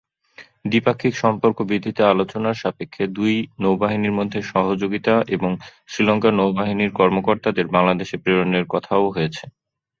দ্বিপাক্ষিক সম্পর্ক বৃদ্ধিতে আলোচনার সাপেক্ষে, দুই নৌবাহিনীর মধ্যে সহযোগিতা এবং শ্রীলঙ্কার নৌবাহিনীর কর্মকর্তাদের বাংলাদেশে প্রেরণের কথাও হয়েছে।